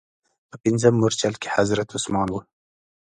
په پنځم مورچل کې حضرت عثمان و.